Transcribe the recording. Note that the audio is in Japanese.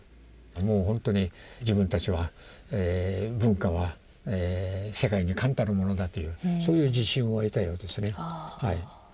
もうほんとに自分たちは文化は世界に冠たるものだというそういう自信を得たようですね。